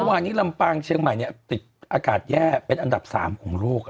เมื่อวานนี้ลำปางเชียงใหม่ติดอากาศแย่เป็นอันดับ๓ของโลก